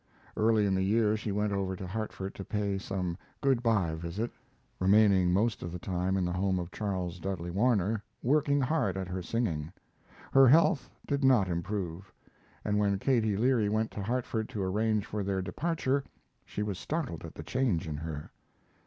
Early in the year she went over to Hartford to pay some good by visit, remaining most of the time in the home of Charles Dudley Warner, working hard at her singing. Her health did not improve, and when Katie Leary went to Hartford to arrange for their departure she was startled at the change in her.